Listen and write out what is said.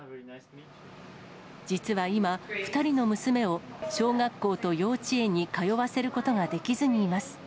実は今、２人の娘を小学校と幼稚園に通わせることができずにいます。